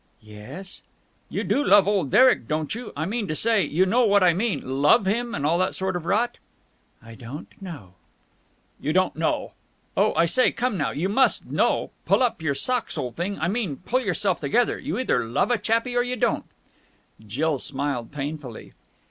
"Yes?" "You do love old Derek, don't you? I mean to say, you know what I mean, love him and all that sort of rot?" "I don't know!" "You don't know! Oh, I say, come now! You must know! Pull up your socks, old thing.... I mean, pull yourself together! You either love a chappie or you don't." Jill smiled painfully.